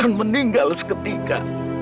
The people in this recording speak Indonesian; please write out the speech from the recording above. dan meninggal seketika